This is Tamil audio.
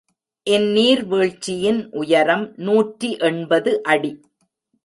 இந் நீர்வீழ்ச்சியின் உயரம் நூற்றி எண்பது அடி.